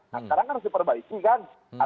nah sekarang kan harus diperbaiki kan